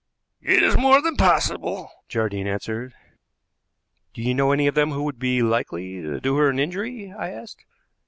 "It is more than possible," Jardine answered. "Do you know any of them who would be likely to do her an injury?" I asked.